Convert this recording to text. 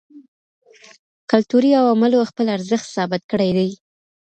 کلتوري عواملو خپل ارزښت ثابت کړی دی.